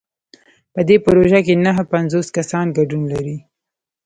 په دې پروژه کې نهه پنځوس کسان ګډون لري.